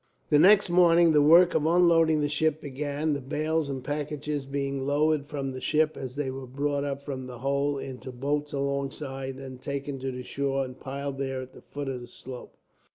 The next morning the work of unloading the ship began, the bales and packages being lowered from the ship, as they were brought up from the hold, into boats alongside; and then taken to the shore, and piled there at the foot of the slope.